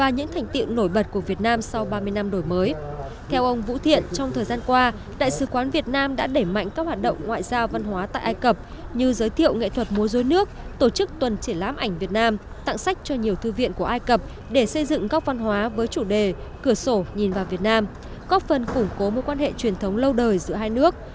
ninh tv đã đẩy mạnh các hoạt động ngoại giao văn hóa tại ai cập như giới thiệu nghệ thuật mối rối nước tổ chức tuần triển lám ảnh việt nam tặng sách cho nhiều thư viện của ai cập để xây dựng góc văn hóa với chủ đề cửa sổ nhìn vào việt nam góc phân củng cố mối quan hệ truyền thống lâu đời giữa hai nước